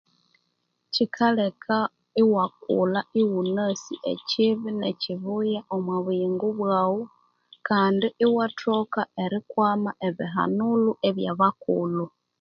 Chikaleka iwakula ighunasi ekibi nekibuya omwabuyingu bwaghu Kandi iwathoka erikwama ebihanulho byakulhu